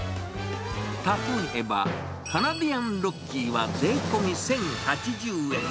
例えば、カナディアンロッキーは税込み１０８０円。